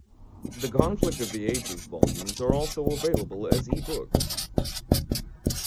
The Conflict of the Ages volumes are also available as E-books.